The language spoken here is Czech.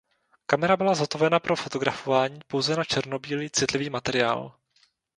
Kamera byla zhotovena pro fotografování pouze na černobílý citlivý materiál.